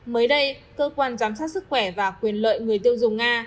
mới đây cơ quan giám sát sức khỏe và quyền lợi người tiêu dùng nga